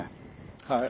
はい。